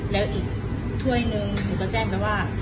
แล้วอีกถ้วยหนึ่งหนูก็แจ้งไปว่า